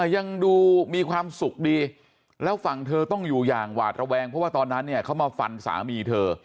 ยังดูมีความสุขดีแล้วฝั่งเธอต้องอยู่อย่างหวาดระแวงเพราะว่าตอนนั้นเนี่ยเขามาฟันสามีเธอ